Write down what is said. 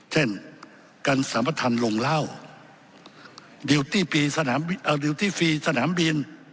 เช่นการสัมพทานลงเล่าดิวตี้ฟรีสนามบิน